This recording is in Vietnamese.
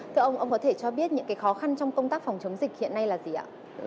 thưa ông ông có thể cho biết những cái khó khăn trong công tác phòng chống dịch hiện nay là gì ạ